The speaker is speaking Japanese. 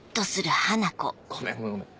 ごめんごめん